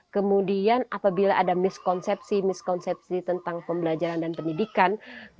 kemudian apabila ada miskonsepsi miskonsepsi tentang pembelajaran dan pendidikan